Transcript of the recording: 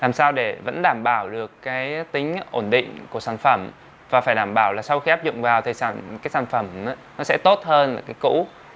làm sao để vẫn đảm bảo được tính ổn định của sản phẩm và phải đảm bảo là sau khi áp dụng vào thì sản phẩm sẽ tốt hơn cái cũ